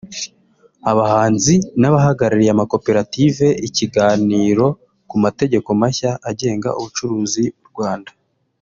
abahanzi n’abahagarariye amakoperative ikiganiro ku mategeko mashya agenga ubucuruzi mu Rwanda